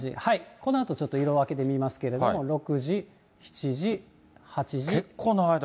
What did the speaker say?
このあとちょっと色分けで見ますけど、６時、７時、８時。